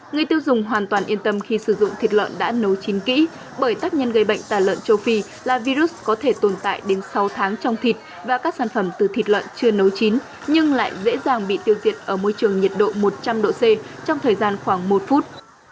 người tiêu dùng hoàn toàn yên tâm khi sử dụng thịt lợn đã nấu chín kỹ bởi tác nhân gây bệnh tà lợn châu phi là virus có thể tồn tại đến sáu tháng trong thịt và các sản phẩm từ thịt lợn chưa nấu chín nhưng lại dễ dàng bị tiêu diệt ở môi trường nhiệt độ một trăm linh độ c trong thời gian khoảng một phút